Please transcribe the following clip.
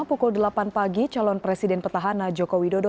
pukul delapan pagi calon presiden petahana jokowi dodo